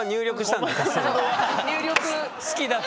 入力。